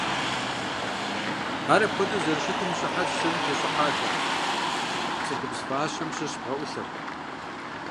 Ар апхуэдэу зэрыщытым и щыхьэтщ сыным тещӀыхьахэр – цӀыхубз фащэм щыщ бгъэӀулъыр.